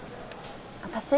私？